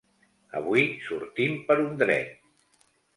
Avui sortim per un dret.